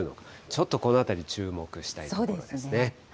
ちょっとこのあたり、注目したいそうですね。